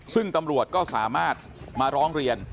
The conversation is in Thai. ซึ่งตำรวจก็สามารถมาร้องเรียน